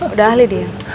udah ahli dia